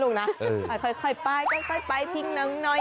คล้ายไปคล้ายไปทิ้งหนึ่งหน่อย